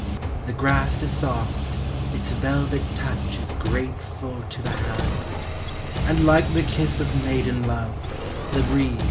The grass is soft, its velvet touch is grateful to the hand; And, like the kiss of maiden love, the breeze